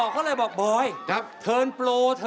ข้าเลยบอกบอยภาวตัวโปรเทอร์